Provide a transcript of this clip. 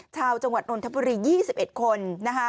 ชาวจังหวัดนทบุรี๒๑คน